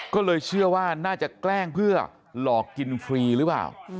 ก็เลยเชื่อว่าน่าจะแกล้งเพื่อหลอกกินฟรีหรือเปล่า